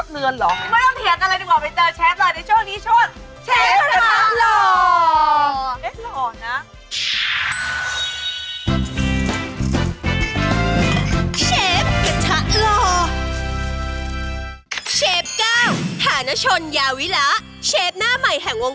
เอ้ยทำไมจริง